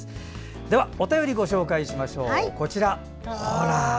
では、お便りをご紹介しましょう。